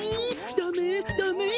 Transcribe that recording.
ダメダメよ。